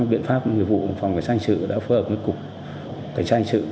và các biện pháp nhiệm vụ phòng trang trực đã phối hợp với cục trang trực